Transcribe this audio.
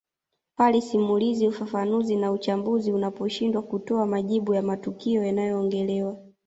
Pale simulizi ufafanuzi na uchambuzi unaposhindwa kutoa majibu ya matukio yanayoongelewa